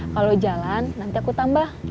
kalau jalan nanti aku tambah